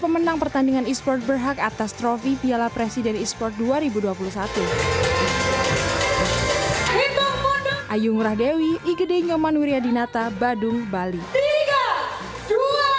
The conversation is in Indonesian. pemenang pertandingan e sport berhak atas trofi piala presiden esports dua ribu dua puluh satu